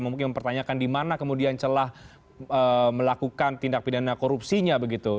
mungkin mempertanyakan di mana kemudian celah melakukan tindak pidana korupsinya begitu